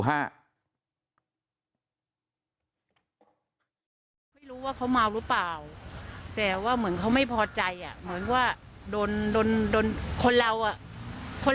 ไม่รู้ว่าเขาเมาหรือเปล่าแต่ว่าเหมือนเขาไม่พอใจ